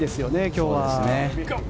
今日は。